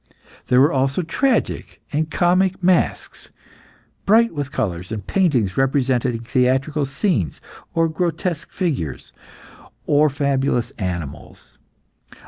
There were also tragic and comic masks, bright with colours; and paintings representing theatrical scenes or grotesque figures, or fabulous animals.